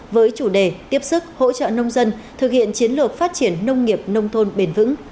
với chủ đề tiếp sức hỗ trợ nông dân thực hiện chiến lược phát triển nông nghiệp nông thôn bền vững